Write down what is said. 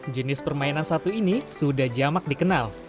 jenis permainan satu ini sudah jamak dikenal